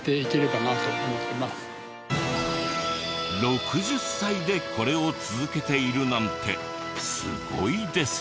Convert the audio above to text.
６０歳でこれを続けているなんてすごいですよね。